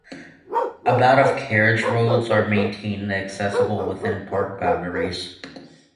About of carriage roads are maintained and accessible within park boundaries.